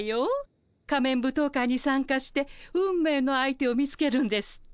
仮面舞踏会に参加して運命の相手を見つけるんですって？